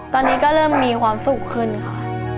ตอนนี้ก็เริ่มมีความสุขขึ้นค่ะ